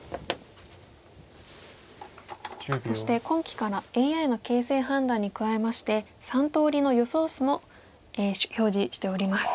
そして今期からＡＩの形勢判断に加えまして３通りの予想手も表示しております。